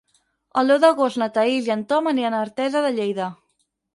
El deu d'agost na Thaís i en Ton aniran a Artesa de Lleida.